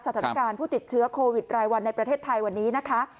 สถานการณ์ผู้ติดเชื้อโควิดรายวันในประเทศไทยวันนี้นะคะ